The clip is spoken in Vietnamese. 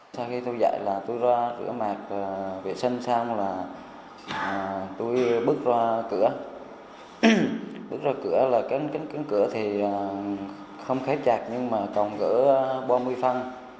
từ khi ra cửa cái cửa thì không khá chặt nhưng mà cổng cửa ba mươi phân